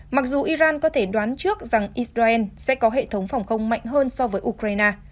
mặc dù iran có thể đoán trước rằng israel sẽ có hệ thống phòng không mạnh hơn so với ukraine